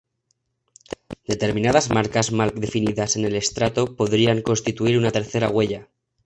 Determinadas marcas mal definidas en el estrato podrían constituir una tercera huella.